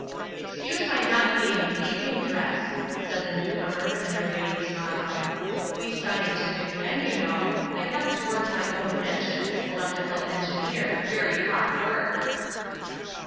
"Excuse my not being in evening dress," said the newcomer with an urbane smile. "We scientific men, you know I have to work my own engines electrical engineer very hot work."